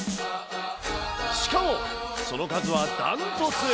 しかも、その数は断トツ。